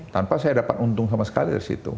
tanpa saya dapat untung sama sekali dari situ